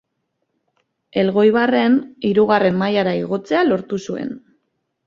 Elgoibarren hirugarren mailara igotzea lortu zuen.